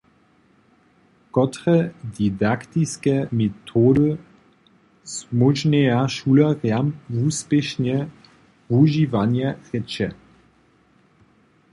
Kotre didaktiske metody zmóžnjeja šulerjam wuspěšne wužiwanje rěče?